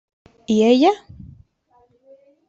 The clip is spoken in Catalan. I ella?